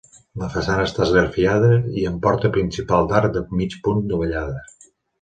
La façana està esgrafiada i amb porta principal d'arc de mig punt dovellada.